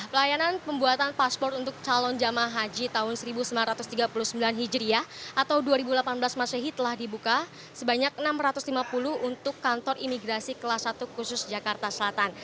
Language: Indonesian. pelayanan pembuatan pasport untuk calon jemaah haji tahun seribu sembilan ratus tiga puluh sembilan hijriah atau dua ribu delapan belas masehi telah dibuka sebanyak enam ratus lima puluh untuk kantor imigrasi kelas satu khusus jakarta selatan